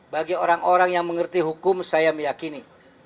bagi orang orang yang mengerti hukum saya meyakini